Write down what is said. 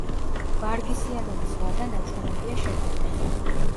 ვარგისიანობის ვადა ნაჩვენებია შეფუთვაზე.